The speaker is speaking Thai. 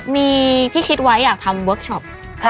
มีที่คิดไว้อยากทำเวิร์คชอป